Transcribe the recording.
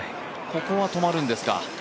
ここは止まるんですか。